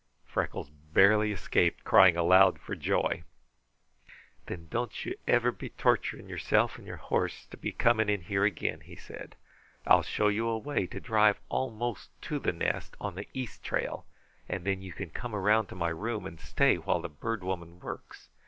Freckles barely escaped crying aloud for joy. "Then don't you ever be torturing yourself and your horse to be coming in here again," he said. "I'll show you a way to drive almost to the nest on the east trail, and then you can come around to my room and stay while the Bird Woman works.